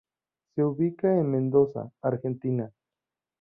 Se ubica en Mendoza, Argentina.